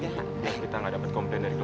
biar kita nggak dapet komplain dari klien